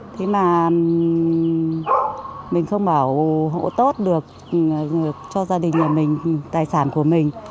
thế mà mình không bảo hộ tốt được cho gia đình nhà mình tài sản của mình